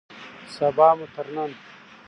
سبا مو تر نن